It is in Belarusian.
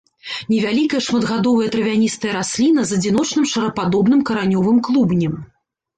Невялікая шматгадовая травяністая расліна з адзіночным шарападобным каранёвым клубнем.